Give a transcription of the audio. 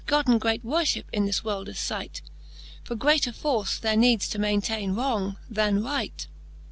Gotten great wonliip in this worldes fight ; For greater force there needs to maintaine wrong, then right.